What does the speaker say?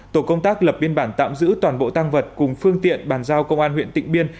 tổ công tác lập biên bản tạm giữ toàn bộ tăng vật cùng phương tiện bàn giao công an huyện tịnh biên